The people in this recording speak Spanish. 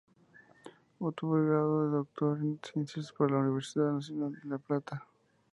Obtuvo el grado de Doctor en Ciencias por la Universidad Nacional de La Plata.